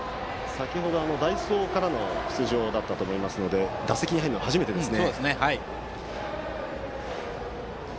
先程、代走からの出場だったと思いますので打席に入るのは初めてです。